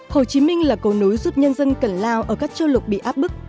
hồ chí minh là cầu nối giúp nhân dân cần lao ở các châu lục bị áp bức